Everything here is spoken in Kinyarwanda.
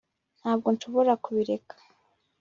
ntabwo nshobora kubireka